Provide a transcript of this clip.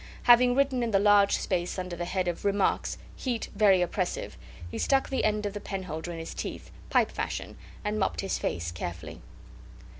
Having written in the large space under the head of "Remarks" "Heat very oppressive," he stuck the end of the penholder in his teeth, pipe fashion, and mopped his face carefully.